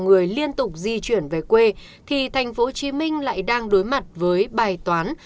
người liên tục di chuyển về quê thì thành phố hồ chí minh lại đang đối mặt với bài toán